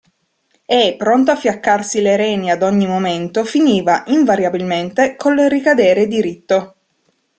E, pronto a fiaccarsi le reni ad ogni momento, finiva, invariabilmente, col ricadere diritto.